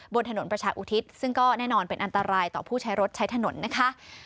บนถนนประชาอุทิศซึ่งก็แน่นอนเป็นอันตรายต่อผู้ใช้รถใช้ถนนนะคะ